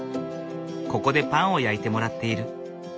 ここでパンを焼いてもらっている。